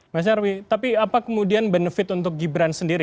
mas nyarwi tapi apa kemudian benefit untuk gibran sendiri